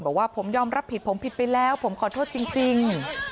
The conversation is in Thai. บอกว่าผมยอมรับผิดผมผิดไปแล้วผมขอโทษจริง